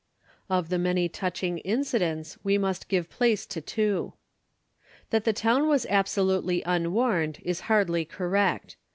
Of the many touching incidents, we must give place to two: That the town was absolutely unwarned is hardly correct.